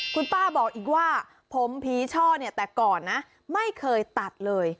คุณป้าบอกอีกว่าผมพรีช่อแต่ก่อนไม่เคยตัดเลย